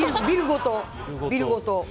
ビルごと？